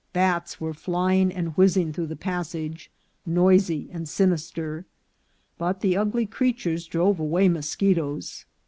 Bats were flying and whizzing through the passage, noisy and sinister ; but the ugly creatures drove away mosche toes.